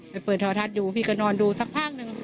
เปิดโทรทัศน์ดูพี่ก็นอนดูสักพักหนึ่ง